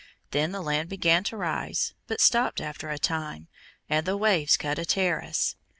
Then the land began to rise, but stopped after a time, and the waves cut a terrace.